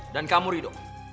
dan kamu rido